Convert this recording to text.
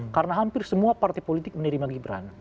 karena hampir semua partai politik menerima gibran